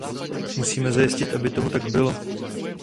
Musíme zajistit, aby tomu tak bylo.